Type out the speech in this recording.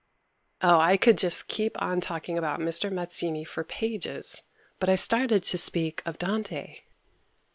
Oh, I could just keep on talking about Mr. Mazzini for pages, but I started to speak of Dante.